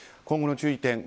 今後の注意点。